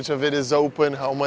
kami tidak tahu